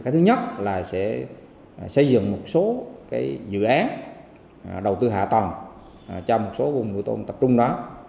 thứ nhất là sẽ xây dựng một số dự án đầu tư hạ tầng cho một số vùng nuôi tôm tập trung đó